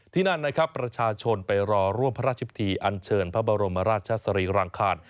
นั่นนะครับประชาชนไปรอร่วมพระราชพิธีอันเชิญพระบรมราชสรีรังคาร